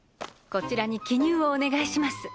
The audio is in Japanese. こちらに記入をお願いします。